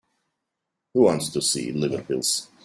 Who wants to see liver pills?